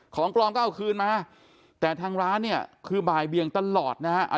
ของปลอมก็เอาคืนมาแต่ทางร้านเนี่ยคือบ่ายเบียงตลอดนะฮะ